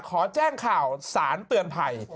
ขอแจ้งข่าวสารเตือนภัย